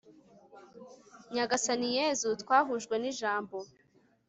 nyagasani yezu, twahujwe n'ijambo